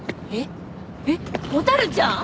えっ蛍ちゃん！？